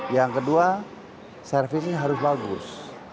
yang kedua servisnya harus bagus